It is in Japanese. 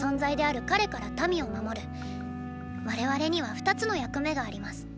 我々には二つの役目があります。